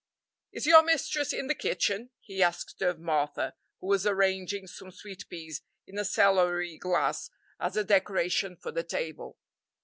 "Is your mistress in the kitchen?" he asked of Martha, who was arranging some sweet peas in a celery glass as a decoration for the table.